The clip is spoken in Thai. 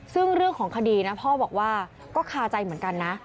ซึ่งเรื่องของคดีนะพ่อบอกว่าก็คาใจเหมือนกันนะ